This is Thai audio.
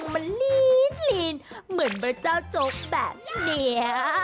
มันลีนเหมือนเบอร์เจ้าโจ๊กแบบนี้